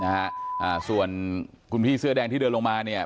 อ่าส่วนคุณพี่เสื้อแดงที่เดินลงมาเนี่ย